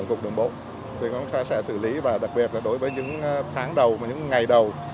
thì chúng ta sẽ xử lý và đặc biệt là đối với những tháng đầu và những ngày đầu